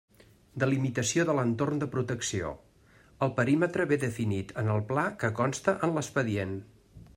Delimitació de l'entorn de protecció: el perímetre ve definit en el pla que consta en l'expedient.